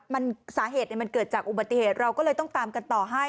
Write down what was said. มันสาเหตุมันเกิดจากอุบัติเหตุเราก็เลยต้องตามกันต่อให้